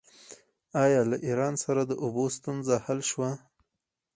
آیا له ایران سره د اوبو ستونزه حل شوې؟